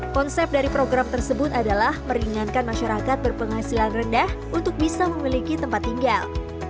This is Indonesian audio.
konsep dari program tersebut adalah meringankan masyarakat berpenghasilan rendah untuk bisa memiliki tempat tinggal